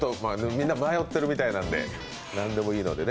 みんな迷っているみたいなので、何でもいいのでね。